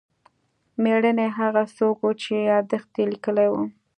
مېړنی هغه څوک و چې یادښت یې لیکلی و.